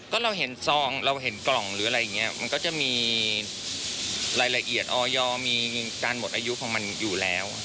ก็เราเห็นซองเราเห็นกล่องหรืออะไรอย่างนี้มันก็จะมีรายละเอียดออยมีการหมดอายุของมันอยู่แล้ว